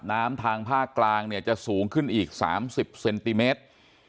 ทางภาคกลางเนี่ยจะสูงขึ้นอีก๓๐เซนติเมตร